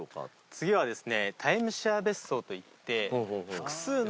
次はですね。